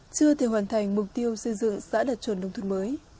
chưa thể hoàn thành mục tiêu xây dựng xã đạt chuẩn nông thôn mới